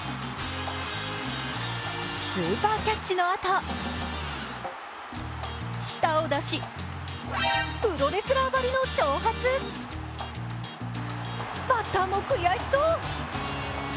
スーパーキャッチのあと舌を出し、プロレスラーばりの挑発バッターも悔しそう。